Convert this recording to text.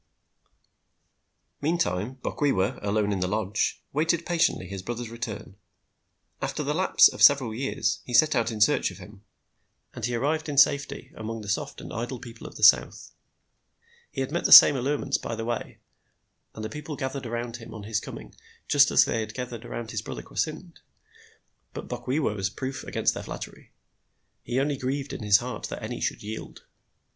Meantime, Bokwewa, alone in the lodge, waited patiently his brother's return. After the lapse of several years he set out in search of him, and he arrived in safety among the soft and idle people of the South. He had met the same allurements by the way, and the people gathered around him on his coming just as they had around his brother Kwasynd; but Bokwewa was proof against their flattery. He only grieved in his heart that any should yield.